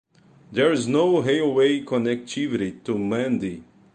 There is no railway connectivity to Mandi.